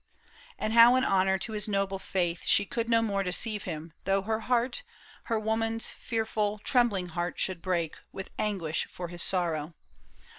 And how in honor to his noble faith She could no more deceive him, though her heart. Her woman's fearful, trembUng heart should break With anguish for his sorrow.